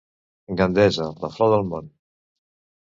Gandesa, la flor del món.